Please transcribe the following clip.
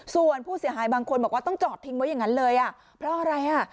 ส่วนผู้เสียหายบางคนบอกว่าต้องจอดทิ้งไว้อย่างนั้นเลยอ่ะเพราะอะไรอ่ะ